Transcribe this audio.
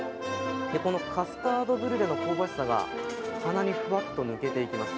このカスタードブリュレの香ばしさが鼻にふわっと抜けていきます。